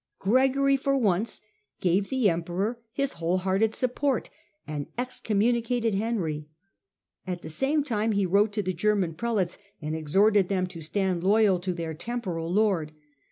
Gregory for once gave the Emperor his whole hearted support, and excommu nicated Henry. At the same time he wrote to the German Prelates and exhorted them to stand loyal to their temporal lord.